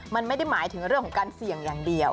มันไม่ได้หมายถึงเรื่องของการเสี่ยงอย่างเดียว